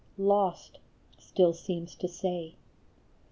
lost !" still seems to say.